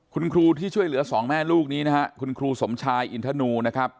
คุณครูที่ช่วยเหลือสองแม่ลูกนี้นะฮะคุณครูสมชายอินทนูนะครับ